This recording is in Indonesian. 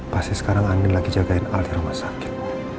pasti sekarang andi lagi jagain al di rumah sakit